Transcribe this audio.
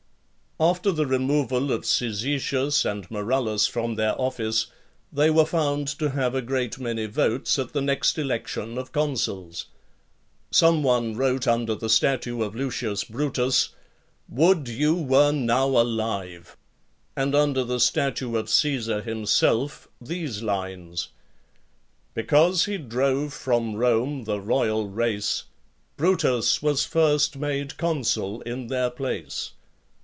After the removal of Caesetius and Marullus from their office, they were found to have a great many votes at the next election of consuls. Some one wrote under the statue of Lucius Brutus, "Would you were now alive!" and under the statue of Caesar himself these lines: Because he drove from Rome the royal race, Brutus was first made consul in their place.